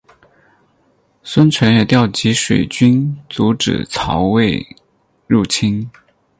孙权也调集水军阻止曹魏入侵。